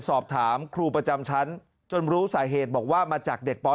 สอบถามครูประจำชั้นจนรู้สาเหตุบอกว่ามาจากเด็กป๔